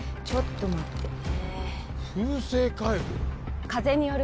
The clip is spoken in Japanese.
ちょっと待ってね